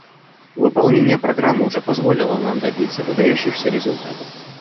Выполнение программы уже позволило нам добиться выдающихся результатов.